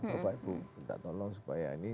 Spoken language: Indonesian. bapak ibu minta tolong supaya ini